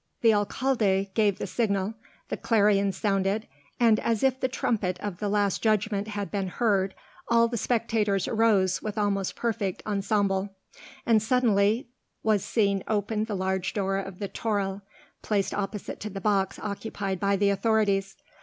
The alcalde gave the signal, the clarions sounded, and as if the trumpet of the Last Judgment had been heard, all the spectators arose with most perfect ensemble; and suddenly was seen opened the large door of the toril, placed opposite to the box occupied by the authorities.